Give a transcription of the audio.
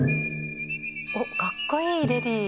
おっかっこいいレディー。